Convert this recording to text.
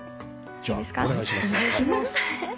じゃあお願いします。